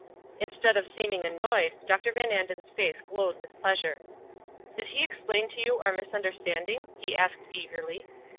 Instead of seeming annoyed, Dr. Van Anden's face glowed with pleasure. "Did he explain to you our misunderstanding?" he asked, eagerly.